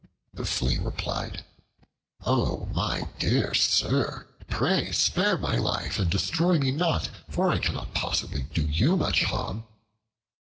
The Flea replied, "O my dear sir, pray spare my life, and destroy me not, for I cannot possibly do you much harm."